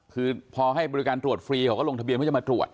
คือพอให้บริการตรวจฟรีเขาก็ลงทะเบียนเขาจะมาตรวจ